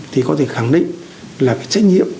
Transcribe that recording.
thì có thể khẳng định là trách nhiệm